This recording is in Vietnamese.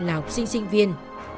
là học sinh sinh viên